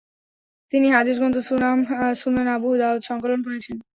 তিনি হাদিস গ্রন্থ সুনান আবু দাউদ সংকলন করেছেন।